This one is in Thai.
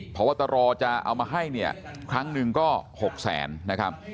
เพราะว่าตรอจะเอามาให้ครั้งหนึ่งก็หกแสนนะครับ